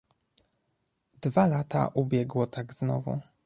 "Dwa lata ubiegło tak znowu."